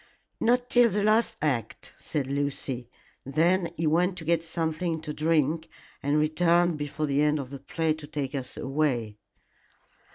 "Not till the last act," said Lucy. "Then he went to get something to drink, and returned before the end of the play to take us away."